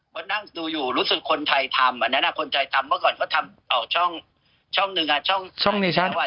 พอนั่งดูอยู่รู้สึกว่าคนไทยทำคนไทยทำเมื่อก่อนก็ทำช่องหนึ่งอ่ะช่องในช่องนั้นอ่ะ